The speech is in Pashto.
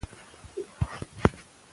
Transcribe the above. هغې وویل فضا ته د تګ خوب یې رښتیا شو.